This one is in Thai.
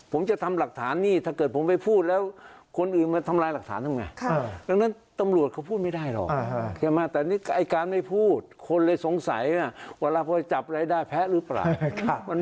ผมจะทำหลักฐานนี่ถ้าเกิดผมไปพูดแล้วคนอื่นมาทำลายหลักฐานทำไงดังนั้นตำรวจเขาพูดไม่ได้หรอกใช่ไหมแต่นี่ไอ้การไม่พูดคนเลยสงสัยเวลาพอจับรายได้แพ้หรือเปล่า